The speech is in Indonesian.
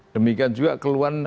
demikian juga keluhan